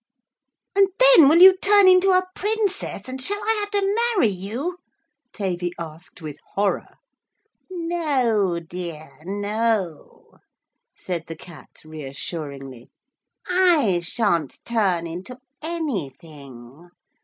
'And then will you turn into a Princess, and shall I have to marry you?' Tavy asked with horror. 'No, dear no,' said the Cat reassuringly. 'I sha'n't turn into anything.